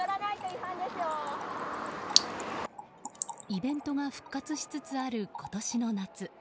イベントが復活しつつある今年の夏。